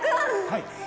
はい。